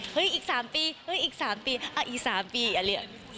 เฮ้ยอีก๓ปีอีก๓ปีอีก๓ปีอีก๓ปี